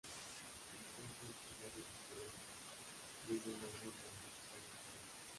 Entonces, un orden topológico brinda un orden para ejecutar las tareas.